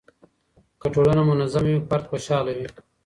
که ټولنه منظمه وي فرد خوشحاله وي.